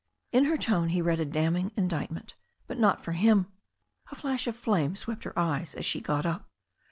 In her tone he read a damning indictment, but not for him. A flash of flame swept her eyes as she got up.